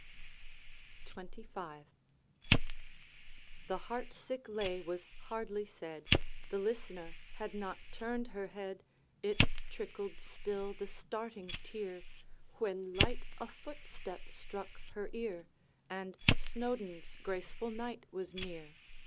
XXV. The heart sick lay was hardly said, The listener had not turned her head, It trickled still, the starting tear, When light a footstep struck her ear, And Snowdoun's graceful Knight was near.